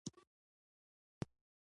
علم، ایمان او اتحاد مو وسلې دي.